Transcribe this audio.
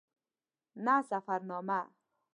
نه سفرنامه.